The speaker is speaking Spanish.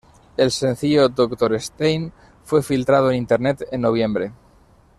El sencillo "Dr. Stein" fue filtrado en internet en Noviembre.